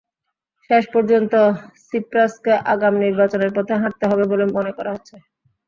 শেষ পর্যন্ত সিপ্রাসকে আগাম নির্বাচনের পথে হাঁটতে হবে বলে মনে করা হচ্ছে।